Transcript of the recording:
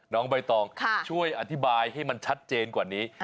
น้องใบตองช่วยอธิบายให้มันชัดเจนกว่านี้